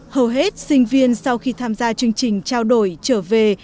hầu hết sinh viên sau khi tham gia chương trình trao đổi trở về